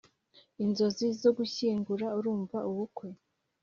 inzozi zo gushyingura urumva ubukwe